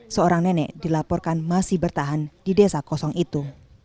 seorang nenek dilaporkan masih bertahan di desa kosong itu